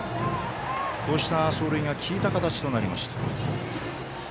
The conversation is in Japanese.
こうした走塁が効いた形となりました。